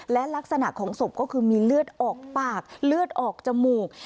และลักษณะของศพก็คือมีเลือดออกปากเลือดออกจมูก